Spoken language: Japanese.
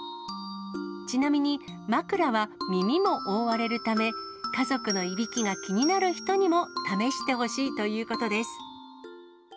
ちなみに、枕は耳も覆われるため、家族のいびきが気になる人にも試してほしいということです。